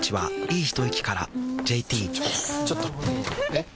えっ⁉